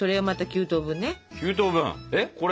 ９等分！